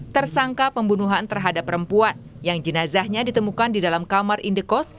tersangka pembunuhan terhadap perempuan yang jenazahnya ditemukan di dalam kamar indekos